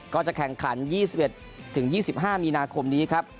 ก็จะแข่งขัน๒๑๒๕มีนาคมนี้ครับ